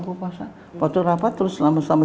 gue puasa waktu rapat terus selama selama